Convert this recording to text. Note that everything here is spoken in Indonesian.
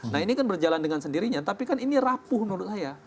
nah ini kan berjalan dengan sendirinya tapi kan ini rapuh menurut saya